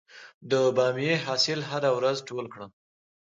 د بامیې حاصل هره ورځ ټول کړم؟